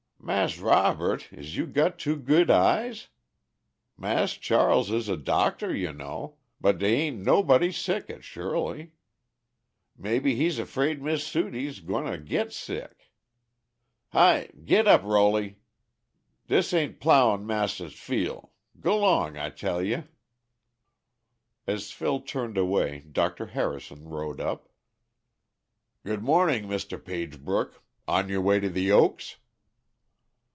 "Mas' Robert, is you got two good eyes? Mas' Charles is a doctor you know, but dey a'n't nobody sick at Shirley. May be he's afraid Miss Sudie's gwine to get sick. Hi! git up Roley! dis a'n't plowin' mauster's field: g'long I tell ye!" As Phil turned away Dr. Harrison rode up. "Good morning, Mr. Pagebrook. On your way to The Oaks?"